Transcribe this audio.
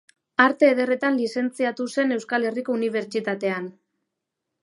Arte Ederretan lizentziatu zen Euskal Herriko Unibertsitatean.